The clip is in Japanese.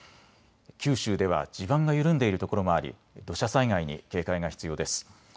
九州では地盤が緩んでいる所もあり、土砂災害に警戒が必要です。